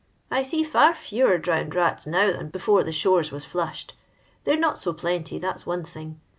I see fiir fewer drowned mts now than before the thore* was flushed. They 're not so plenty, that 's one thing.